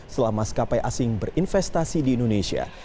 selama maskapai asing berinvestasi di indonesia